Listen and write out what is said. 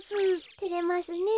てれますねえ。